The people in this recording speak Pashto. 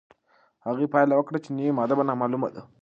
هغې پایله وکړه چې نوې ماده نامعلومه ده.